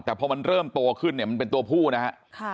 แต่พอมันเริ่มโตขึ้นเนี่ยมันเป็นตัวผู้นะฮะ